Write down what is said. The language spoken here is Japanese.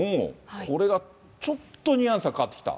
これがちょっとニュアンスが変わってきた。